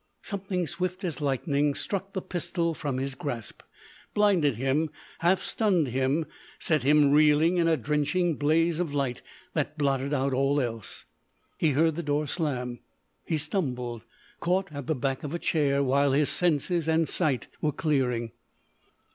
Something swift as lightning struck the pistol from his grasp,—blinded him, half stunned him, set him reeling in a drenching blaze of light that blotted out all else. He heard the door slam; he stumbled, caught at the back of a chair while his senses and sight were clearing.